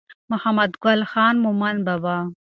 محمد ګل خان مومند بابا